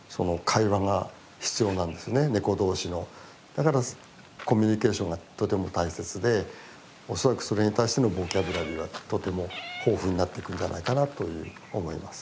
だからコミュニケーションがとても大切で恐らくそれに対してのボキャブラリーはとても豊富になっていくんじゃないかなという思います。